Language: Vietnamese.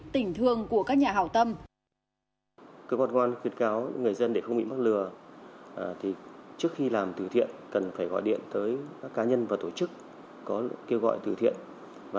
tình thương của các nhà hào tâm